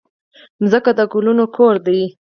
مځکه د ګلونو کور ده.